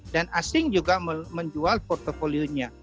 dan asing juga menjual portfolio nya